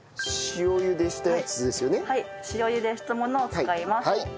塩茹でしたものを使います。